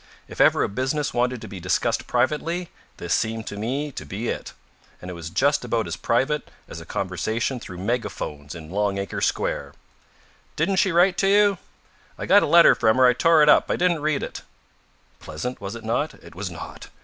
If ever a business wanted to be discussed privately, this seemed to me to be it. And it was just about as private as a conversation through megaphones in Longacre Square. "Didn't she write to you?" "I got a letter from her. I tore it up. I didn't read it." Pleasant, was it not? It was not.